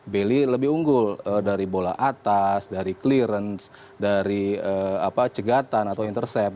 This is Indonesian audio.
baily lebih unggul dari bola atas dari clearance dari cegatan atau intercept